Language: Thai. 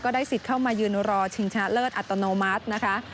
ก็ได้สิทธิ์เข้ามายืนรอใจเชี่ยงการเชี่ยงชนะเลิศอัตโนมัตินะคะ